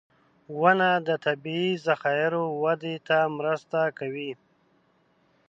• ونه د طبعي ذخایرو وده ته مرسته کوي.